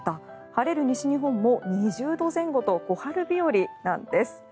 晴れる西日本も２０度前後と小春日和なんです。